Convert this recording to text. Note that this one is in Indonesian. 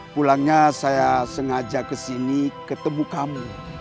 pulangnya saya sengaja kesini ketemu kami